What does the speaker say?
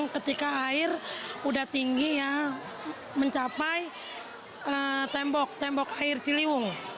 ketika air sudah tinggi ya mencapai tembok tembok air ciliwung